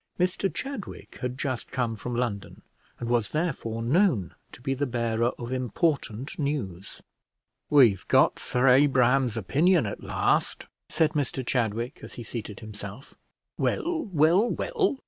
Mr Chadwick had just come from London, and was, therefore, known to be the bearer of important news. "We've got Sir Abraham's opinion at last," said Mr Chadwick, as he seated himself. "Well, well, well!"